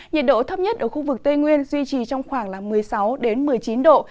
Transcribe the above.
nhiệt độ thấp nhất ở khu vực tây nguyên duy trì trong khoảng một mươi sáu một mươi chín độ